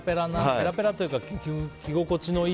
ペラペラというか着心地のいい。